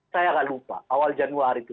saya nggak lupa awal januari itu